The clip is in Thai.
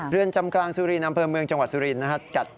เรือนจำกลางสุรินอำเภอเมืองจังหวัดสุรินทร์นะครับ